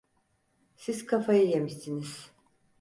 Siz kafayı yemişsiniz.